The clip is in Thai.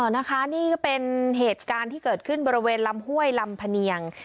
นะคะนี่ก็เป็นเหตุการณ์ที่เกิดขึ้นบริเวณลำห้วยลำพะเนียง